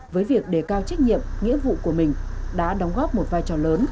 với việc đề cao trách nhiệm nghĩa vụ của mình đã đóng góp một vai trò lớn